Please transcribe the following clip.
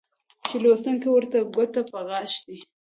چې لوستونکى ورته ګوته په غاښ دى